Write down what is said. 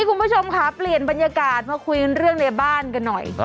ขอพาเปลี่ยนบรรยากาศมาคุยเรื่องในบ้านกันหน่อย